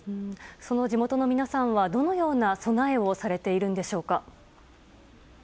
その地元の皆さんはどのような備えをされているんでしょうか？